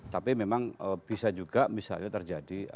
tapi memang bisa juga misalnya terjadi